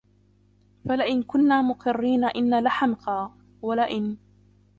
فَلَئِنْ كُنَّا مُقِرِّينَ إنَّا لِحَمْقَى ، وَلَئِنْ